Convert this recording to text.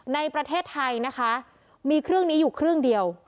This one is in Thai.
ในประเทศไทยนะคะมีเครื่องนี้อยู่เครื่องเดียว